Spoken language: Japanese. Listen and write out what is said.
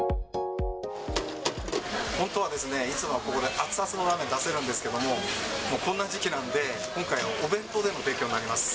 本当はですね、いつもはここで、熱々のラーメン出せるんですけども、こんな時期なんで、今回はお弁当での提供になります。